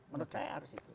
menurut saya harus itu